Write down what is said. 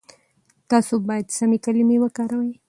تاسو بايد سمې کلمې وکاروئ.